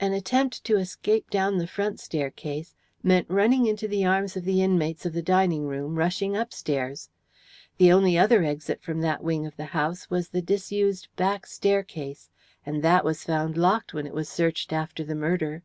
An attempt to escape down the front staircase meant running into the arms of the inmates of the dining room rushing upstairs. The only other exit from that wing of the house was the disused back staircase, and that was found locked when it was searched after the murder.